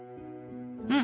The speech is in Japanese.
「うん。